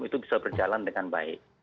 itu bisa berjalan dengan baik